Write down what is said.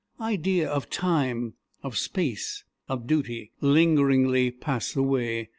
Idea of time, of space, of duty, lingeringly pass away.